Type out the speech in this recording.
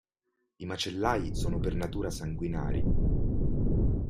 I macellai sono per natura sanguinari.